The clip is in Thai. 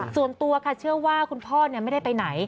ส่วนตัวค่ะเชื่อว่าคุณพ่อไม่ได้ไปไหน